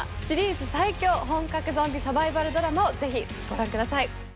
シリーズ最強、本格ゾンビサバイバルドラマをぜひ、ご覧ください。